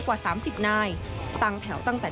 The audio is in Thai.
กว่า๓๐นายตั้งแถวตั้งแต่